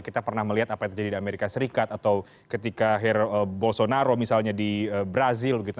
kita pernah melihat apa yang terjadi di amerika serikat atau ketika bolsonaro misalnya di brazil begitu